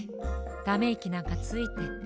ためいきなんかついて。